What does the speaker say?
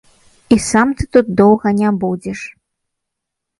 І сам ты тут доўга не будзеш.